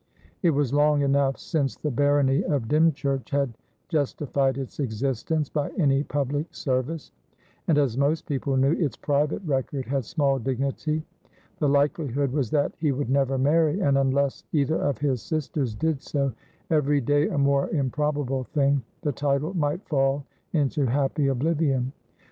It was long enough since the barony of Dymchurch had justified its existence by any public service, and, as most people knew, its private record had small dignity. The likelihood was that he would never marry, and, unless either of his sisters did so, every day a more improbable thing, the title might fall into happy oblivion.